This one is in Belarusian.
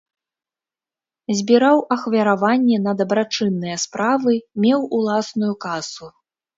Збіраў ахвяраванні на дабрачынныя справы, меў уласную касу.